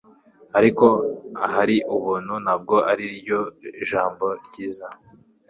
ariko, ahari ubuntu ntabwo ariryo jambo ryiza